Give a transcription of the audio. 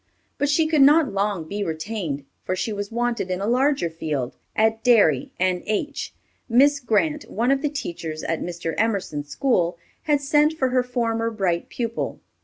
But she could not long be retained, for she was wanted in a larger field, at Derry, N.H. Miss Grant, one of the teachers at Mr. Emerson's school, had sent for her former bright pupil.